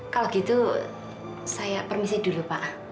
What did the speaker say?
kalau gitu saya permisi dulu pak